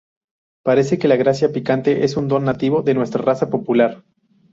Parece que la gracia picante es un don nativo de nuestra raza popular".